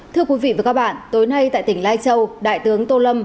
thưa quý vị và các bạn tối nay tại tỉnh lai châu đại tướng tô lâm